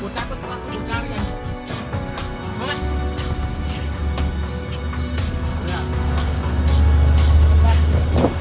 gua takut gua cari anj